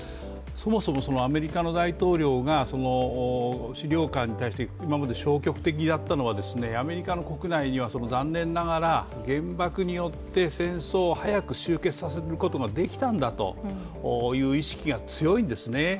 そもそもアメリカの大統領が資料館に対して、今まで消極的だったのは、アメリカの国内には残念ながら原爆によって戦争を早く終結させることができたんだという意識が強いんですね。